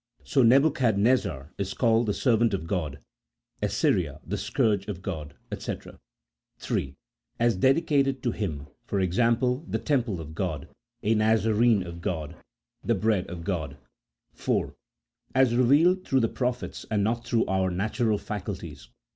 So Nebuchad nezzar is called the servant of God, Assyria the scourge of God, &c. CHAP. I.] OF PROPHECY. 21 (3.) As dedicated to Him, e.g. the Temple of God, a Nazarene of God, the Bread of God. (4.) As revealed through the prophets and not through our natural faculties.